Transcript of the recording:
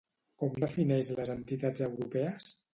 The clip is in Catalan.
Com defineix les entitats europees?